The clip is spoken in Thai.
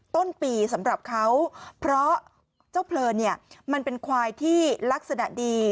ต้นปีสำหรับเขาเพราะเจ้าเพลินเนี่ยมันเป็นควายที่ลักษณะดี